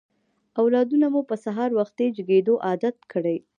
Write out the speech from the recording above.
اولادونه مو په سهار وختي جګېدو عادت کړئ.